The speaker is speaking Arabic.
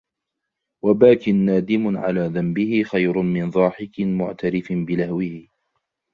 وَبَاكٍ نَادِمٌ عَلَى ذَنْبِهِ خَيْرٌ مِنْ ضَاحِكٍ مُعْتَرِفٍ بِلَهْوِهِ